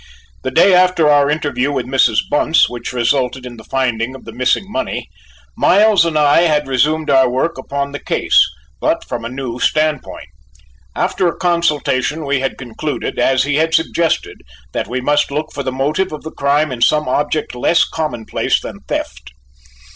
The day after our interview with Mrs. Bunce, which resulted in the finding of the missing money, Miles and I had resumed our work upon the case, but from a new standpoint. After a consultation we had concluded, as he had suggested, that we must look for the motive of the crime in some object less commonplace than theft.